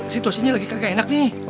situasinya lagi kagak enak nih